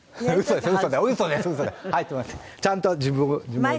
ちゃんと自分で。